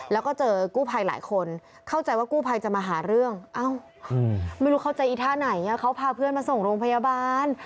แล้วก็เจอกู้ภัยหลายคนเข้าใจว่ากู้ภัยจะมาหาเรื่องไม่รู้เข้าใจอีท่าไหนเขาพาเพื่อนมาส่งโรงพยาบาล